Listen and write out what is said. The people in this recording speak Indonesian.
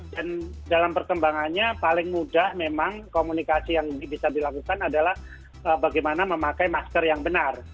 dalam perkembangannya paling mudah memang komunikasi yang bisa dilakukan adalah bagaimana memakai masker yang benar